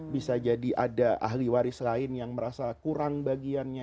bisa jadi ada ahli waris lain yang merasa kurang bagiannya